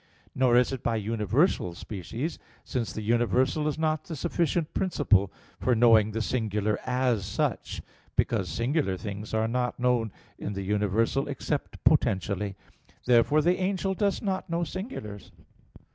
Nor is it by universal species; since the universal is not the sufficient principle for knowing the singular as such, because singular things are not known in the universal except potentially. Therefore the angel does not know singulars.